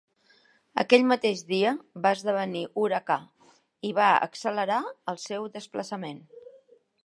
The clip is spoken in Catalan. Aquell mateix dia va esdevenir huracà i va accelerar el seu desplaçament.